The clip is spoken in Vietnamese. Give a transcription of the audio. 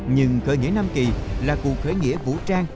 nhưng khởi nghĩa nam kỳ là cuộc khởi nghĩa vũ trang